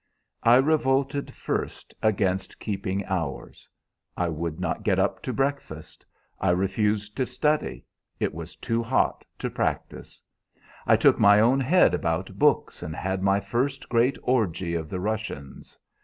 "I revolted first against keeping hours. I would not get up to breakfast, I refused to study, it was too hot to practice. I took my own head about books, and had my first great orgy of the Russians.